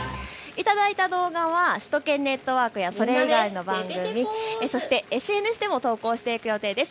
頂いた動画は首都圏ネットワークやそれ以外の番組、そしてＳＮＳでも投稿していく予定です。